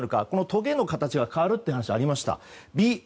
とげの形が変わるという話がありました。